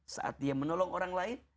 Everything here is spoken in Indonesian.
saat dia menolong orang lain